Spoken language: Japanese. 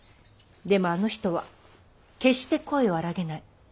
でもあの人は決して声を荒げない。